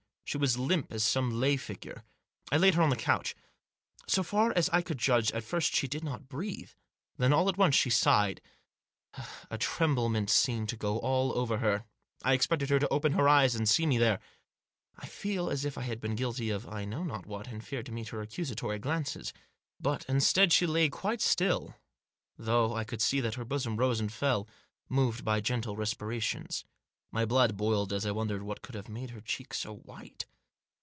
She was limp as some lay figure. I laid her on the couch. So far as I could judge, at first she did not breathe. Then, all at once, she sighed ; a tremblement seemed to go all over her. I expected her to open her eyes, and see me there. I felt as if I had been guilty of I knew not what, and feared to meet her accusatory glances. But instead she lay quite still, though I could see that her bosom rose and fell, moved by gentle respirations. My blood boiled as I wondered what could have made her cheek so white.